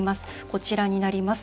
こちらになります。